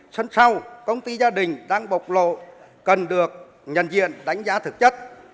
sân sau công ty gia đình đang bộc lộ cần được nhận diện đánh giá thực chất